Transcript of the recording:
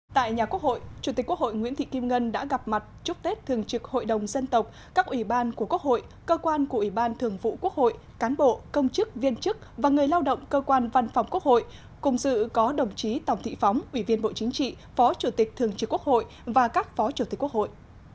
tại nhà quốc hội chủ tịch quốc hội nguyễn thị kim ngân đã gặp mặt chúc tết thường trực hội đồng dân tộc các ủy ban của quốc hội cơ quan của ủy ban thường vụ quốc hội cán bộ công chức viên chức và người lao động cơ quan văn phòng quốc hội cùng dự có đồng chí tổng thị phóng ủy viên bộ chính trị phó chủ tịch thường trực quốc hội và các phó chủ tịch quốc hội